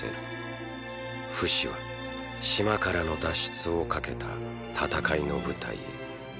フシは島からの脱出をかけた戦いの舞台へ。